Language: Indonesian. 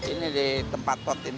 ini di tempat pot ini